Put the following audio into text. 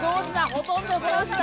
ほとんどどうじだ！